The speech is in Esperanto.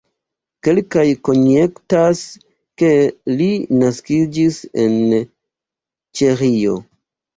Kelkaj konjektas, ke li naskiĝis en Ĉeĥio.